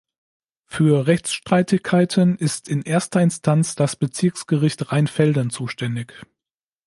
Für Rechtsstreitigkeiten ist in erster Instanz das Bezirksgericht Rheinfelden zuständig.